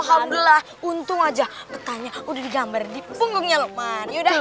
alhamdulillah untung aja petanya udah digambar di punggungnya lukman